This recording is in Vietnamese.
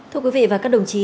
thưa quý vị và các đồng chí